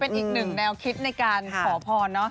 เป็นอีกหนึ่งแนวคิดในการขอพรเนอะ